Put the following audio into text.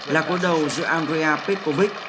là cuộc đầu giữa andrea và ronaldo